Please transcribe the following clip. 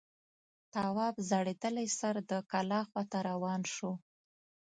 تواب ځړېدلی سر د کلا خواته روان شو.